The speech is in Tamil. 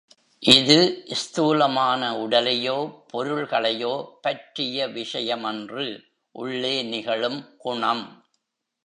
இது ஸ்தூலமான உடலையோ, பொருள்களையோ பற்றிய விஷயமன்று, உள்ளே நிகழும் குணம்.